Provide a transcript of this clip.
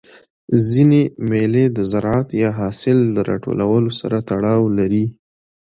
ځيني مېلې د زراعت یا حاصل د راټولولو سره تړاو لري.